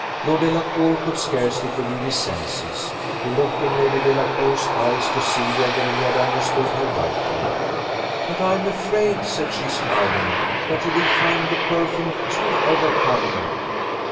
Lord Delacour could scarcely believe his senses; he looked in Lady Delacour's eyes to see whether he had understood her rightly. "But I am afraid," said she, smiling, "that you will find the perfume too overcoming."